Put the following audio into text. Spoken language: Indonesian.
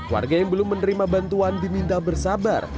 warga yang belum menerima bantuan diminta bersabar